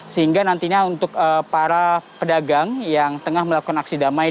sehingga nantinya untuk para pedagang yang tengah melakukan aksi damai